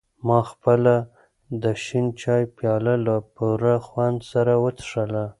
ما خپله د شین چای پیاله له پوره خوند سره وڅښله.